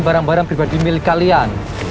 barang barang pribadi milik kalian